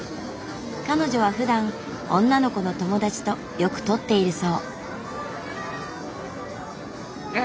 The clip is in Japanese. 彼女はふだん女の子の友達とよく撮っているそう。